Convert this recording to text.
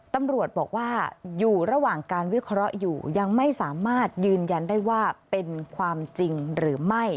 ตำรวจบอกว่าอยู่ระหว่างการวิเคราะห์อยู่ยังไม่สามารถยืนยันได้ว่าเป็นความจริงหรือไม่